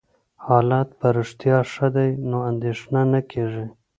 حالت په رښتیا ښه دی، نو اندېښنه نه کېږي.